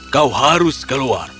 kau harus keluar